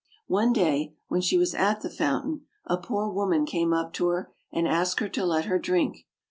One day when she was at the fountain a poor woman came up to her, and asked her to let her drink.